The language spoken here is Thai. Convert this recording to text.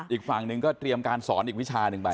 อีกฝั่งหนึ่งก็เตรียมการสอนอีกวิชาหนึ่งไป